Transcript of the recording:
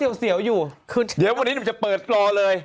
เดี๋ยวตอนนี้จะเปิดปรอภิกษ์เลย